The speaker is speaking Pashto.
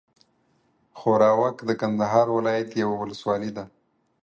ښوراوک د کندهار ولايت یوه اولسوالي ده.